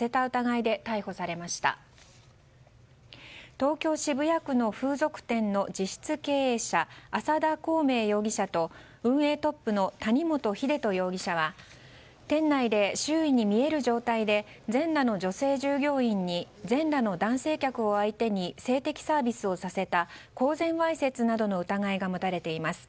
東京・渋谷区の風俗店の実質経営者、浅田孔明容疑者と運営トップの谷本英人容疑者は店内で周囲に見える状態で全裸の女性従業員に全裸の男性客を相手に性的サービスをさせた公然わいせつなどの疑いが持たれています。